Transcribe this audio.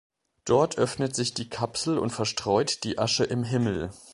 Dort öffnet sich die Kapsel und verstreut die Asche im Himmel.